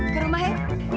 ke rumah hei